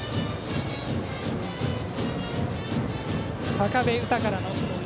坂部羽汰からの攻撃。